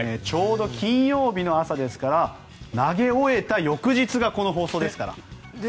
ちょうど金曜日の朝ですから投げ終えた翌日がこの放送ですから。